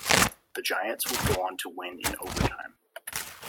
The Giants would go on to win in overtime.